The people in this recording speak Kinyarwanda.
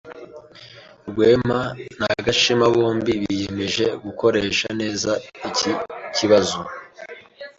Rwema na Gashema bombi biyemeje gukoresha neza iki kibazo.